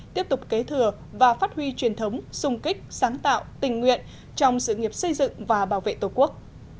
tiếp tục kế thừa và phát huy truyền thống sung kích sáng tạo tình nguyện trong sự nghiệp xây dựng và bảo vệ tổ quốc